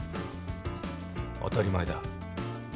当たり前だ。